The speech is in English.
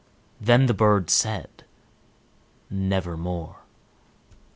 Then the bird said, "Nevermore."